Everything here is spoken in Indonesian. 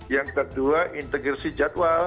yang kedua integrasi jadwal